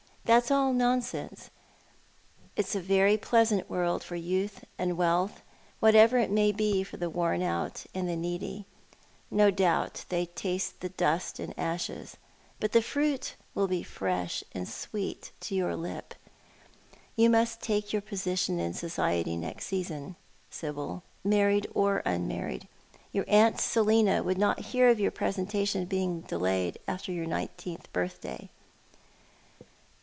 That's all nonsense. It's a very pleasant world for youth and wealth J whatever it may be for the worn out and the needy. What People said. 185 No doubt they taste the dust and ashes — but the fruit ^vill bo fresh and sweet to your lip. You must take your position in society next season, Sibyl, married or unmarried. Your aunt Selina would not hear of your presentation being delayed after your nineteenth birthday."